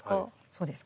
そうです。